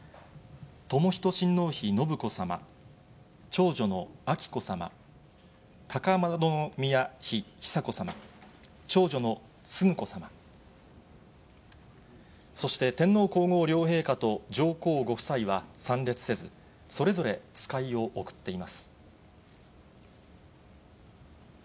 とも仁親王妃信子さま、長女の彬子さま、高円宮妃久子さま、長女の承子さま、そして天皇皇后両陛下と上皇ご夫妻は参列せず、それぞれ使いを送っています。